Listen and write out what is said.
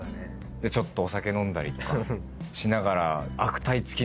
ちょっとお酒飲んだりとかしながら。